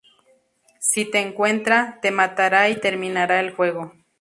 Si te encuentra, te matará y terminará el juego.